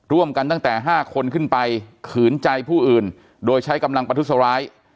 ตั้งแต่๕คนขึ้นไปขืนใจผู้อื่นโดยใช้กำลังประทุษร้าย